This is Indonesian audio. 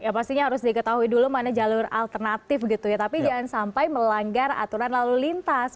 pastinya harus diketahui dulu mana jalur alternatif gitu ya tapi jangan sampai melanggar aturan lalu lintas